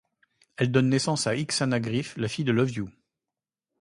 Elle donne naissance le à Ixana Griff, fille de Love You.